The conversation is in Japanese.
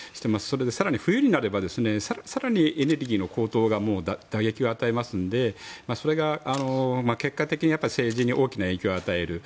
冬になれば更にエネルギーの高騰が打撃を与えますのでそれが結果的に政治に大きな影響を与える。